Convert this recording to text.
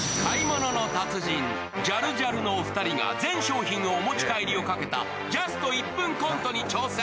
ジャルジャルのお二人か全商品お持ち帰りをかけた、ジャスト１分コントに挑戦。